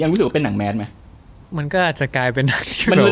รู้สึกว่าเป็นหนังแมสไหมมันก็อาจจะกลายเป็นหนัง